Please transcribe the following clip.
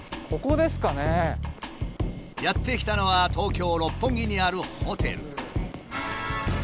やって来たのは東京六本木にあるホテル。